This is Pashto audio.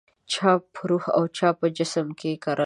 چا په روح او چا په جسم کې کرله